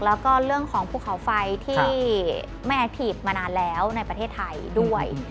แล้วก็เรื่องของภูเขาไฟที่แม่แอคทีฟมานานแล้วในประเทศไทยด้วย